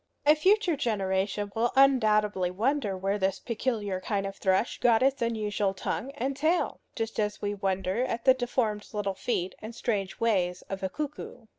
A future generation will undoubtedly wonder where this peculiar kind of thrush got his unusual tongue and tail, just as we wonder at the deformed little feet and strange ways of a cuckoo.